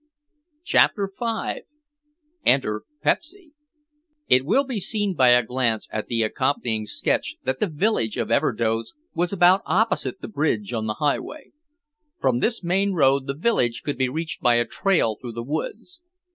CHAPTER V ENTER PEPSY It will be seen by a glance at the accompanying sketch that the village of Everdoze was about opposite the bridge on the highway. From this main road the village could be reached by a trail through the woods.